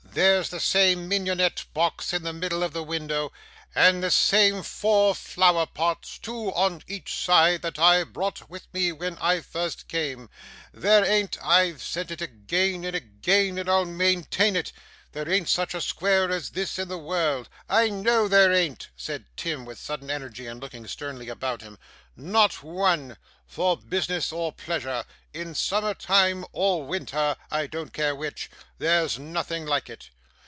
There's the same mignonette box in the middle of the window, and the same four flower pots, two on each side, that I brought with me when I first came. There an't I've said it again and again, and I'll maintain it there an't such a square as this in the world. I KNOW there an't,' said Tim, with sudden energy, and looking sternly about him. 'Not one. For business or pleasure, in summer time or winter I don't care which there's nothing like it.